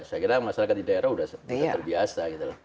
saya kira masyarakat di daerah sudah terbiasa gitu loh